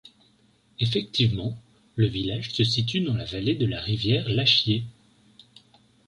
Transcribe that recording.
Effectivement, le village se situe dans la vallée de la rivière la Chiers.